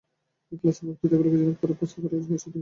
এই ক্লাসের বক্তৃতাগুলি কিছুদিন পরেই পুস্তকাকারে প্রকাশিত হইয়াছিল।